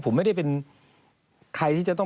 ผมไม่ได้เป็นใครที่จะต้อง